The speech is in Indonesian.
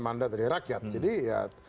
mandat dari rakyat jadi ya